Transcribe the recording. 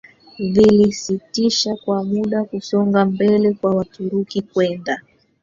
vilisitisha kwa muda kusonga mbele kwa Waturuki kwenda